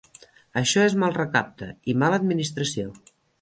Això és mal recapte i mala administració.